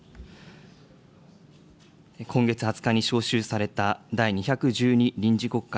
今月２０日に召集された第２１２臨時国会。